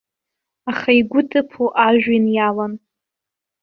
Аха игәы ҭыԥо ажәҩан иалан.